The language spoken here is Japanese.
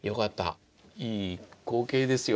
いい光景ですよ